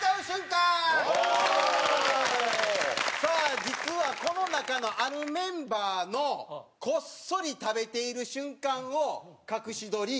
さあ実はこの中のあるメンバーのこっそり食べている瞬間を隠し撮りさせて頂きました。